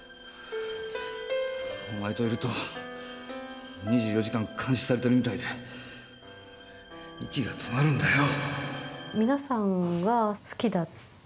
お前といると２４時間監視されてるみたいで息が詰まるんだよ。